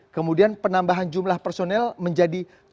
kemudian penambahan jumlah personel menjadi tujuh puluh empat orang